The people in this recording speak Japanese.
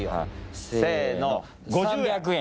せの。